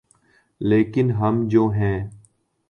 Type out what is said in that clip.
‘ لیکن ہم جو ہیں۔